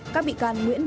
các bị can nguyễn vĩnh